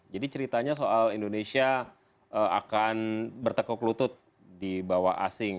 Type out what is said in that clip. ceritanya soal indonesia akan bertekuk lutut di bawah asing